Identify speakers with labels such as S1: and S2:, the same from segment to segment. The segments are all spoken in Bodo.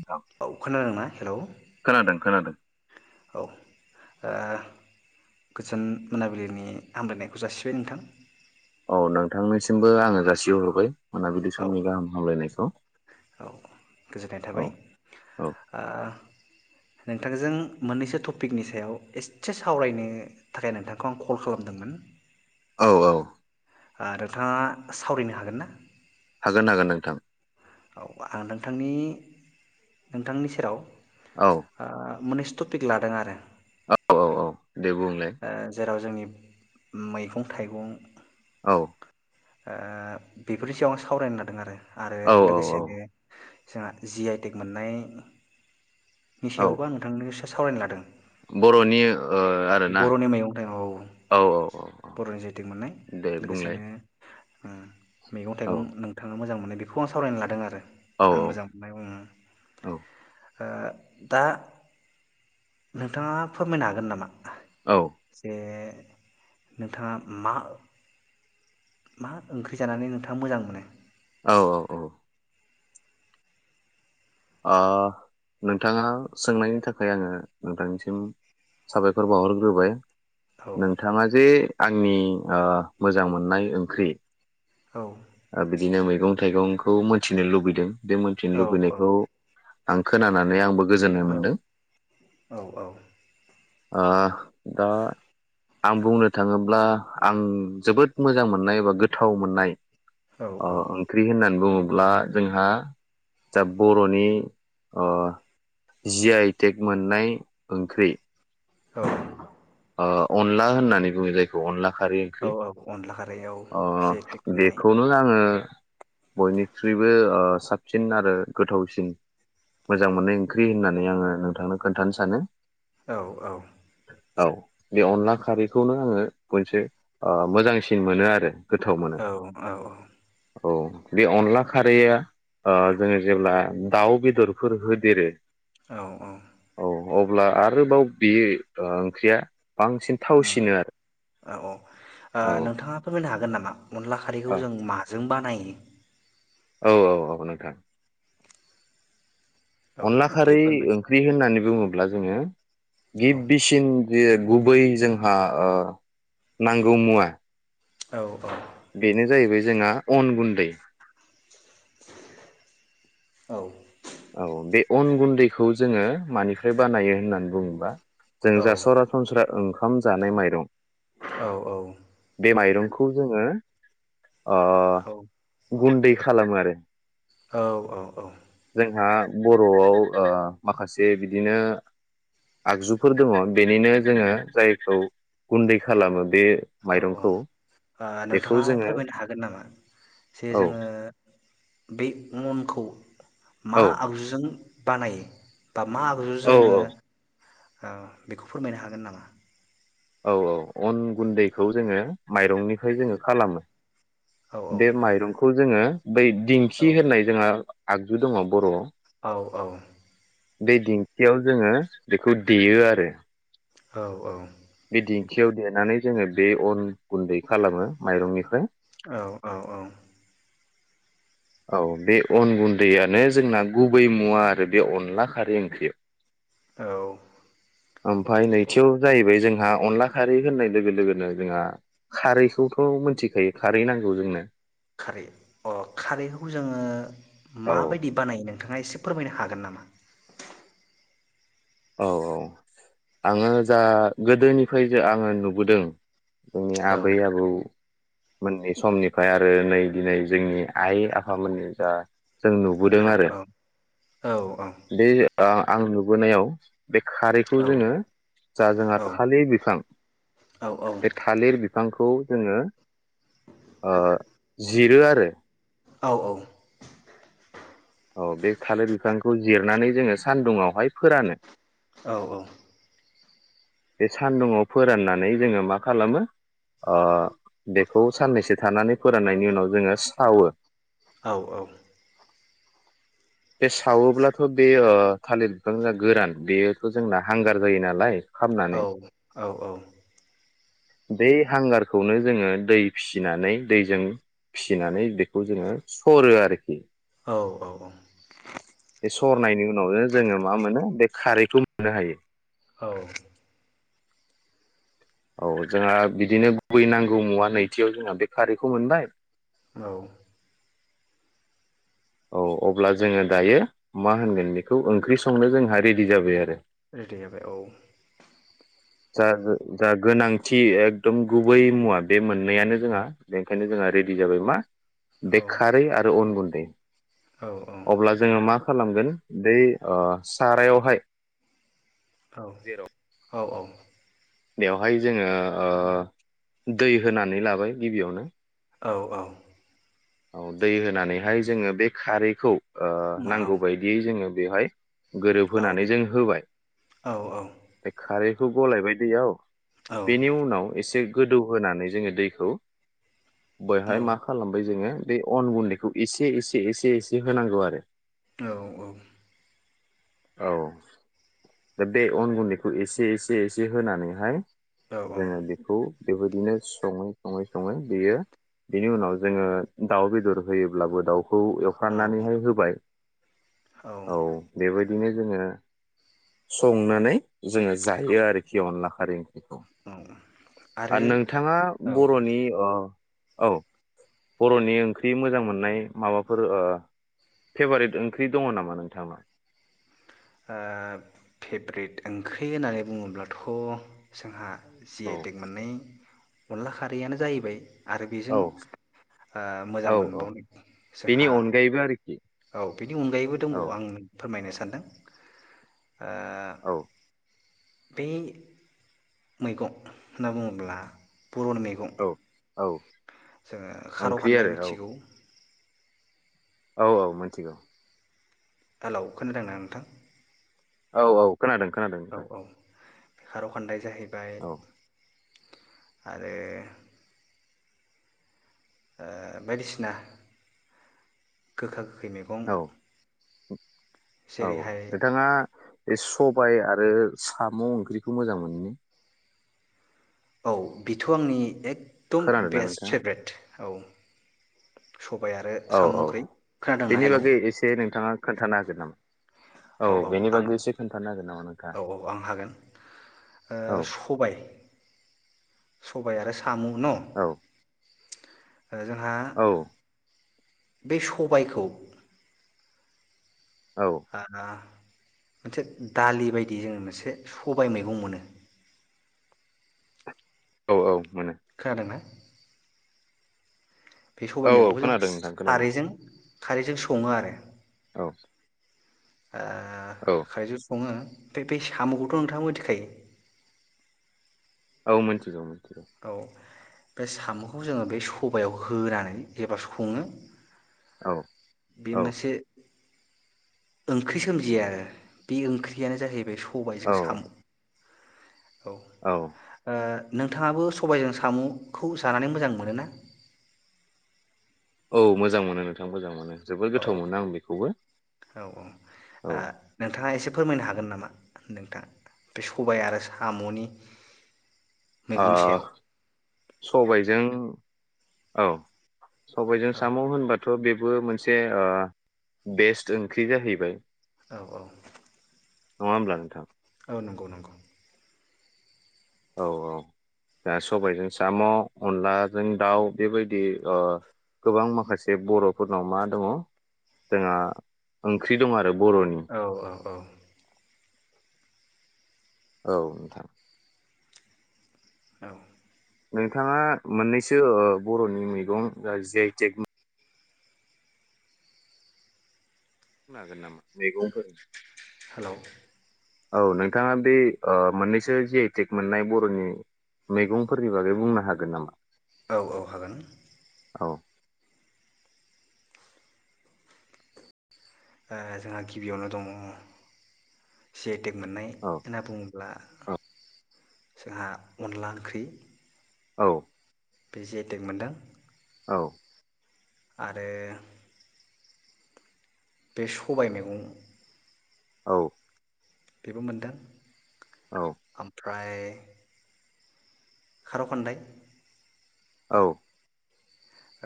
S1: नोंथां
S2: औ खोनादोंना हेलौ
S1: खोनादों खोनादों
S2: औ ओ गोजोन मोनाबिलिनि हामलायनायखौ जासिबाय नोंथां।
S1: औ नोंथांनिसिमबो आङो जासिहरबाय मोनाबिलि
S2: औ
S1: समनि गाहाम हामलायनायखौ
S2: औ गोजोननाय थाबाय
S1: औ औ
S2: नोंथांजों मोननैसो टपिकनि सायाव एसे सावरायनो थाखाय नोंथांखौ आं कल खालामदोंमोन
S1: औ औ
S2: ओ नोंथाङा सावरायनो हागोन ना?
S1: हागोन हागोन नोंथां
S2: औ आं नोंथांनि नोंथांनि सेराव
S1: औ
S2: ओ मोननैसो टपिक लादों आरो
S1: औ औ औ दे बुंलाय
S2: ओ जेराव जोंनि मैगं थाइगं
S1: औ
S2: ओ बेफोरनि सायाव आं सावरायनो लादों आरो आरो
S1: औ
S2: लो
S1: औ औ
S2: गोसेनो जोंहा जि आइ टेक मोननाय नि
S1: औ
S2: सायावबो आं नोंथांनो सोंं सावरायनो लादों।
S1: बर'नि ओ आरोना
S2: बर'नि मैगं थाइगं औ
S1: औ औ औ औ
S2: बर'नि
S1: दे बुंलाय
S2: होम मैगं
S1: औ
S2: थाइगं नोंथांनो मोजां मोननाय बेखौ आं सावरायनो लादों आरो
S1: औ
S2: आं मोजां मोननाय ओम दा नोंथाङा फोरमायनो हागोन नामा
S1: औ
S2: से नोंथाङा मा मा ओंख्रि जानानै नोंथाङा मोजां मोनो
S1: औ औ औ ओ नोंथाङा सोंनायनि थाखाय आङो नोंथांनिसिम साबायखर बावहरग्रोबाय
S2: औ
S1: नोंथाङा जे आंनि ओ मोजां मोननाय ओंख्रि
S2: औ
S1: ओ बिदिनो मैग गं थाइगंखौ मोनथिनो लुबैदों बे मोनथिनो
S2: औ
S1: लुबैनायखौ आं खोनानानै आंबो गोजोननाय
S2: औ
S1: मोनदों
S2: औ औ
S1: ओ दा आं बुंनो थाङोब्ला आं जोबोद मोजां मोननाय बा गोथाव मोननाय अ
S2: औ
S1: ओंख्रि होननानै बुंङो ब्ला जोंहा जा बर नि ओ जि आइ टेक मोननाय ओंख्रि
S2: औ
S1: ओ अनला होननानै बुङो जायखौ अनला खारै
S2: औ
S1: ओंख्रि
S2: औ अनला खारैयाव
S1: ओ
S2: जि आइ टेक मोननाय
S1: बेखौनो आङो बयनिख्रुइबो ओ सा साबसिन आरो गोथावसिन मोजां मोननाय ओंख्रि होननानै आङो नोंथांनो खोन्थानो सानो
S2: औ औ
S1: औ बे अनला खारैखौनो आङो मोनसे ओ मोजांसिन मोनो आरो गोथाव मोनो
S2: औ औ औ
S1: औ बे अनला खारैया ओ जोङो जेब्ला दाउ बेदरफोर होदेरो
S2: औ औ
S1: औ अब्ला आरोबाव बियो ओ ख्रिया
S2: औ औ ओ
S1: औ
S2: नोंथाङा फोरमायनो हागोन नामा अनला खारैखौ जों
S1: औ
S2: माजों बानायो [unintelligible]
S1: औ औ औ नोंथां
S2: औ
S1: अनला
S2: दे
S1: खारै
S2: फोरमाय
S1: ओंख्रि होननानै बुङोब्ला जोङो
S2: औ
S1: गिबिसिन गुबै जोंहा ओ नांगौ मुवा।
S2: औ
S1: बेनो जाहैबाय जोंहा। अन गुन्दै।
S2: औ।
S1: औ बे अन गुन्दैखौ जोङो मानिफ्राय बानायो होननानै बुङोबा। जों
S2: औ
S1: जा सरासनस्रा ओंखाम जानाय माइरं।
S2: औ औ।
S1: बे माइरंखौ जोङो ओ गुन्दै। खालामो आरो।
S2: औ औ औ।
S1: हा बर'आव ओ माखासे बिदिनो आगजुफोर दङ बेनिनो जोङो जायखौ गुन्दै खालामो बे
S2: औ औ
S1: माइरंखौ
S2: ओ
S1: बेखौ
S2: नोंथाङा
S1: जोङो
S2: फोरमायनो हागोन नामा जे
S1: औ
S2: जोङो बे मनखौ। मा आगजुजों बानायो। बा आगजु
S1: औ
S2: जोङो। बेखौ फोरमायनो हागोन नामा।
S1: औ औ अन गुन्दैखौ जोङो माइरंनि। जोङो खालामो
S2: औ
S1: बे माइरंखौ। जोङो। बै
S2: औ
S1: दिंखि होननाय जोंहा। आगजु दङ बर'।
S2: औ औ।
S1: बे दिंखियाव जोङो बेखौ देयो आरो।
S2: औ-औ।
S1: बे दिंखियाव देनानै जोङो बे अन गुन्दै खालामो माइरंनिफ्राय।
S2: औ औ औ।
S1: औ बे अन गुन्दैयानो जोंना गुबै मुवा आरो बे अनला खारै ओंख्रियाव।
S2: औ।
S1: ओमफाय नैथियाव जाहैबाय जोंहा अनला खारै होननाय लोगो-लोगोनो जोंहा खारैखौथ मोनथिखायो खारै नांगौ जोंनो।
S2: खारै अ खारैखौ जोङो
S1: औ
S2: माबायदि बानाय नोंथाङा एसे फोरमायनो हागोन नामा।
S1: औ औ आङो जा गोदोनिफ्राय जो आङो नुबोदों। जोंनि
S2: औ
S1: आबै आबौ। मोननि समनिफाय आरो नै दिनै जोंनि आइ-आफामोननि जा। जों नुबोदों
S2: औ
S1: आरो
S2: औ औ
S1: बे। आ आं नुबोनायाव। बे खारैखौ
S2: औ
S1: जोङो जा जोंहा
S2: औ
S1: थालिर बिफां
S2: औ औ
S1: बे थालिर बिफ फांखौ जोङो ओ जिरो आरो
S2: औ
S1: औ बे थालिर बिफांखौ जिरनानै जोङो सान्दुुंआवहाय फोरानो
S2: औ औ
S1: बे सान्दुङाव फोराननानै जोङो मा खालामो ओ बेखौ साननैसो थानानै फोराननायनि उनाव जोङो सावो
S2: औ-औ
S1: बे सावोब्लाथ बे ओ थालिर बिफांआ गोरान बेयोथ जोंना हांगार जायो नालाय खामनानै
S2: औ औ औ
S1: बे हांगारखौनो जोङो दै फिसिनानै दैजों फिसिनानै बेखौ जोङो सरो आरोखि
S2: औ औ औ
S1: सरनाय नोङो ननो जोङो मा मोनो बे खारैखौ मोननो हायो
S2: औ
S1: औ जोंहा बिदिनो गुबै नांगौ मुवा नैथियाव जोंहा बे खारैखौ मोनबाय
S2: औ
S1: औ अब्ला जोङो दायो मा होनगोन बेखौ ओंख्रि संनो जोंहा रेडि जाबाय आरो
S2: रेडि जाबाय औ
S1: जा जो जा गोनांथि एकदम गुबै मुवा बे मोननैयानो जोंहा बेनो जोंहा रेडि जाबाय मा बे
S2: औ
S1: खारै आरो अन गुन्द बे
S2: औ
S1: अब्ला जोङो मा खालामगोन दै ओ सारायावहाय जेराव
S2: औ-औ-औ
S1: बेवहाय जोङो ओ दै होनानै लाबाय गिबियावनो
S2: औ-औ
S1: औ दै होनानैहाय जोङो बे खारैखौ ओ
S2: मा औ
S1: नांगौ बायदियै जोङो बेवहाय
S2: औ
S1: गोरोबहोनै जों होबाय
S2: औ औ
S1: बे खारै खौ गलायबाय दैयाव
S2: औ
S1: बेनि उनाव एसे गोदौ होनानै जोङो दैखौ बैहाय मा खालामबाय जोङो बे अन गुन्दैखौ एसे एसे एसे एसे होनांगौ आरो
S2: औ औ
S1: औ दा बे अन गुन्दैखौ एसे एसे एसे होनानैहाय
S2: औ
S1: जोङो बेखौ बे बादिनो सङै सङै सङै बेयो बिनि उनाव जोङो। दाउ बेदर होयोब्लाबो दाउ खौ एवफ्राननानैहाय होबाय। औ बे बाय बिनो जोङो संनानै। जोङो जायो आरोखि अनला आरो आरो
S2: आरो
S1: नोंथाङा
S2: औ
S1: बर'नि ओ औ बरनि ओंख्रि मोजां मोननाय माबाफोर ओ फेभारेट ओंख्रि दङ नामा नोंथाङा?
S2: ओ फेभ्रेट ओंख्रि होननानै बुङोब्लाथ जोंहा जि
S1: औ
S2: आइ टेक मोननाय। अनला खारैआनो जायैबाय। आरो बेजों
S1: औ
S2: ओ मोजां
S1: औ औ
S2: मोनबावनाय
S1: बेनि
S2: जोंहा
S1: अनगायैबो आरोखि
S2: औ बिनि अनगायैबो
S1: औ
S2: दंबावो आं फोरमायनो सान [inaudible]
S1: औ
S2: ओ बे मैगं होनना बुङोब्ला। बर'नि मैगं
S1: औ औ
S2: जोङो
S1: ओंख्रि
S2: खार'खान्दाय
S1: आरो औ
S2: मिथिगौ।
S1: औ औ मिनथिगौ।
S2: हेलौ खानादोंना नोंथां?
S1: औ औ खोनादों खोनादों नोंथां।
S2: खार'खान्दाय जाहै बाय
S1: औ
S2: आरो ओ बायदिसिना गोखा गो खै मैगं
S1: औ औ
S2: जेरैहाय
S1: नोंथाङा बे सबाय आरो साम' ओंख्रिखौ मोजां मोनो ने
S2: औ बेथ आंनि एक दम
S1: खोनादोंना
S2: बेस्ट
S1: नोंथाङा
S2: फेभरेट। औ सबाय आरो
S1: औ
S2: साम
S1: औ
S2: ओंख्रि, खोनादोंना
S1: बेनि
S2: हेलो?
S1: बागै एसे नोंथाङा खोन्थानो हागोन नामा?
S2: औ औ
S1: बेनि
S2: आं
S1: बागै एसे खोन्थानो हागोन नामा नोंथाङा
S2: औ औ आं हागोन। ओ
S1: औ
S2: सबाय सबाय आरो साम न'
S1: औ
S2: जोंहा
S1: औ
S2: बे सबायखौ
S1: औ
S2: [unintelligible] मोनसे दालि बायदि जोङो मोनसे सबाय मैगं मोनो।
S1: औ औ मोनो
S2: खोना दोंना? बे सबाइ
S1: औ औ
S2: मैगंखौ जों
S1: खोनादों नोंथां खोनादों
S2: खारैजों खारैजों सङो आरो
S1: [inaudible]
S2: आ
S1: औ
S2: खारैजों सङो। ओमफ्राय बे साम'खौथ‌ नोंथां मिथिखायो?
S1: औ मिथिगौ। मिथिगौ
S2: औ बे सामखौ जोङो बे सबायाव होनानै एबा सङो।
S1: औ
S2: बे
S1: औ
S2: मोनसे ओंख्रि सोमजियो आरो बे ओंख्रियानो जाहैबाय
S1: औ
S2: सबायजों साम' औ ओ नोंथाङाबो सबायजों सामुखौ जानानै मोजां मोनो ना?
S1: औ मोजां मोनो नोंथां मोजां मोनो। जोबोद
S2: औ
S1: गोथाव मोनो आं बेखौबो औ
S2: औ ओ
S1: जों
S2: नोंथाङा एसे फोरमायनो हागोन नामा नोंथाङा बे सबाय आरो सामनि
S1: आ
S2: मैगंनि सायाव
S1: सबायजों औ सबायजों
S2: औ
S1: सामु होनबाथ थ' बेबो मोनसे बेस्ट ओंख्रि जाहैबाय।
S2: औ औ
S1: नंङा होनब्ला नोंथां?
S2: औ नंगौ नंगौ।
S1: औ औ दा सबायजों साम अनलाजों दाउ बेबायदि गोबां माखासे बर फोरनाव मा दङ जोंहा ओंख्रि दं आरो बर'नि
S2: औ औ औ
S1: औ नोंथां
S2: औ
S1: नोंथाङा मोननैसो ओ बरनि मैगं जे आइटेक बुंनो हागोन नामा? मैगंफोर
S2: हेलौ
S1: औ नोंथाङा बे ओ मोननैसो जिआइटिक मोननाय बरनि मैगंफोरनि बागै बुंनो हागोन नामा?
S2: औ औ हागोन
S1: औ
S2: ओ जोंहा गिबियावनो दङ सिट जिआइटेक मोननाय
S1: औ
S2: होनना बुङोब्ला
S1: औ
S2: जोंहा अनला ओंख्रि
S1: औ
S2: बे जिआइटेक मोनदों
S1: औ
S2: आरो बे सबाय मेगं
S1: औ
S2: बेबो मोनदों
S1: औ
S2: फ्राय खारौ खान्दाय
S1: औ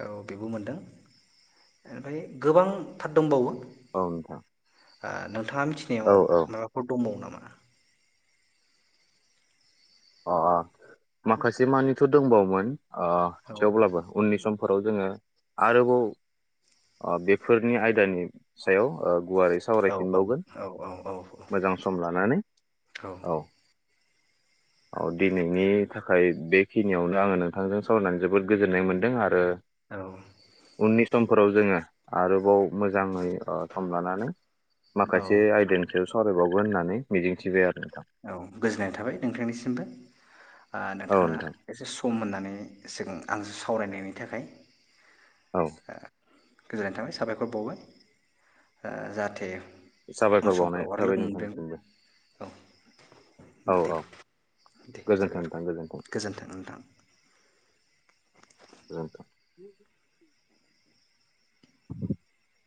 S2: औ बेबो मोनदों एनफाय गोबांथार दंबावो।
S1: औ नोंथां
S2: आ नल थाङा मिथिनायाव
S1: औ औ
S2: माबाफोर दंबावो नामा? मा।
S1: अ अ माखासे मानिथ दंबावोमोन। अ
S2: औ
S1: थेवब्लाबो उननि सम फोराव जोङो आरोबाव अ बेफोरनि आयदानि सायाव गुवारै
S2: औ
S1: सावरायफिनबावगोन
S2: औ औ
S1: मोजां सम लानानै औ औ दिनैनि थाखाय बेखिनियावनो आङो नोंथांजों सावरायनानै जोबोद गोजोननाय मोन्दों आरो
S2: औ
S1: उननि समफोराव जोङो आरोबाव मोजाङै ओ सम लानानै
S2: औ
S1: माखासे आइडानि सायाव सावरायबावगोन होननानै मिजिंथिबाय आरो नोंथां
S2: औ गोजोननाय थाबाय नोंथांनिसिमबो ओ
S1: औ
S2: नोंथाङा
S1: नोंथां
S2: एसे सम मोननानै सिगां आं सावरायनायनि थाखाय।
S1: औ।
S2: गोजोननाय थाबाय साबायखर बावबाय ओ जाहाथे उन
S1: साबायखर बावनाय
S2: समफ्राव आरो लोगो
S1: थाबाय
S2: मोनफिनगोन
S1: नोंथांनिसिमबो।
S2: औ
S1: औ
S2: दे
S1: औ
S2: दे
S1: गोजोन्थों नोंथां
S2: साबायखरबाय गोजोन्थों नोंथां।
S1: [unintelligible] [inaudible]